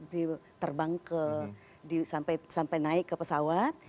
baik itu dari wuhan sampai terbang sampai naik ke pesawat